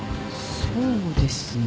そうですね。